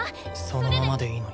そのままでいいのに。